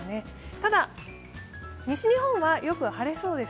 ただ、西日本はよく晴れそうです。